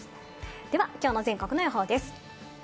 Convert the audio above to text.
ではきょうの全国の予報です。